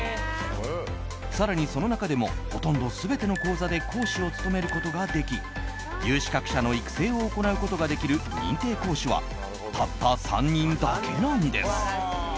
更に、その中でもほとんど全ての講座で講師を務めることができ有資格者の育成を行うことができる認定講師はたった３人だけなんです。